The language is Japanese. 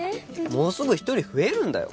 もうすぐ一人増えるんだよ